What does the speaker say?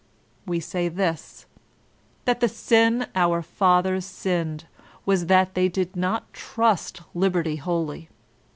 We say this, that the sin our fathers sinned was that they did not trust liberty wholly.